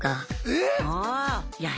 えっ⁉